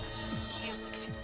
orang orang ada bu